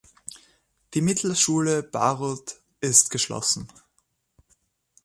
Die Mittelschule Baruth ist geschlossen.